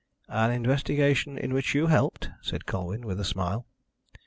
"An investigation in which you helped," said Colwyn, with a smile.